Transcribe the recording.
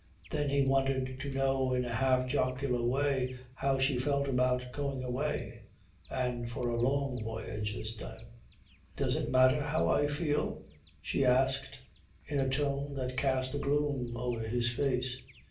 Then he wanted to know in a half jocular way how she felt about going away, and for a long voyage this time. "Does it matter how I feel?" she asked in a tone that cast a gloom over his face.